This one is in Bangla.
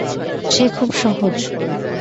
সে খুব সহজ।